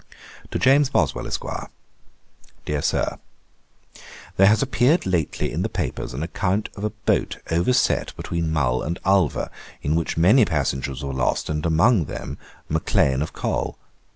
'To JAMES BOSWELL, ESQ. 'DEAR SIR, 'There has appeared lately in the papers an account of a boat overset between Mull and Ulva, in which many passengers were lost, and among them Maclean of Col.